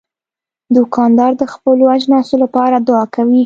دوکاندار د خپلو اجناسو لپاره دعا کوي.